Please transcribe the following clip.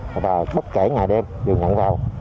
và bất kể ngày đêm đều nhận vào